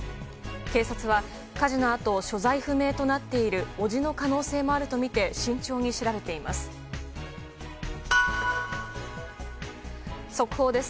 警察は火事のあと所在不明となっている伯父の可能性もあるとみて慎重に調べています。